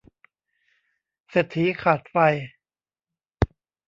เศรษฐีขาดไฟ